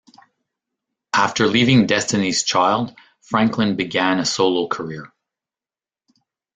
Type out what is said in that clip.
After leaving Destiny's Child, Franklin began a solo career.